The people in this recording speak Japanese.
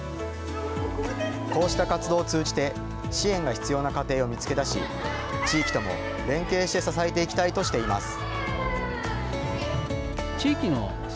こうした活動を通じて支援が必要な家庭を見つけ出し、地域とも連携して支えていきたいとしています。